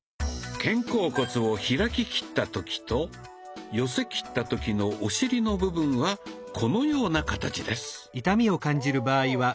肩甲骨を開ききった時と寄せきった時のお尻の部分はこのような形です。